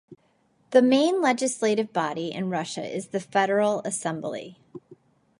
The main legislative body in Russia is the Federal Assembly.